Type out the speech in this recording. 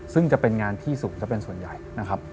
ซึ่งจะเป็นงานที่สูงซะเป็นส่วนใหญ่นะครับ